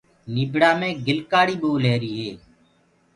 نيبڙآ مينٚ گِلڪآڙي پول رهيريٚ هي۔